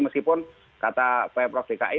meskipun kata pak prof dki